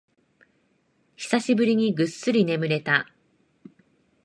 久しぶりにぐっすり眠れた